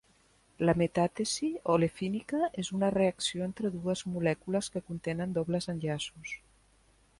La metàtesi olefínica és una reacció entre dues molècules que contenen dobles enllaços.